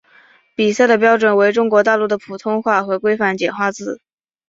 比赛的标准为中国大陆的普通话和规范简化字。